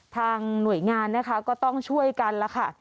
ทางหน่วยงานนะคะก็ต้องช่วยกันแล้วค่ะ